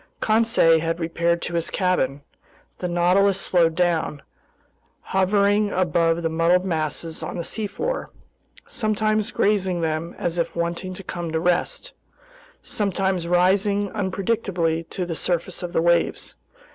Conseil had repaired to his cabin. The Nautilus slowed down, hovering above the muddled masses on the seafloor, sometimes grazing them as if wanting to come to rest, sometimes rising unpredictably to the surface of the waves.